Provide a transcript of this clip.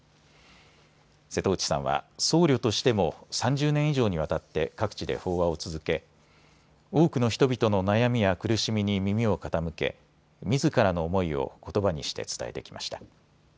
瀬戸内さんは僧侶としても３０年以上にわたって各地で法話を続け多くの人々の悩みや苦しみに耳を傾けみずからの思いをことばにして伝えてきました。